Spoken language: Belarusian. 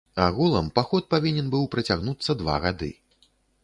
Агулам паход павінен быў працягнуцца два гады.